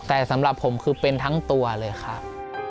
แต่สำหรับผมคือเป็นทั้งตัวเลยครับ